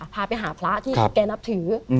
พาไปหาพระที่แกนับถือ